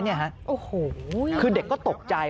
โอ้โหยังไงคือเด็กก็ตกใจ